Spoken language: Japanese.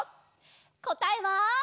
こたえは。